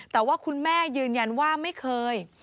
แต่ว่าคุณแม่ยืนยันว่าไม่เคย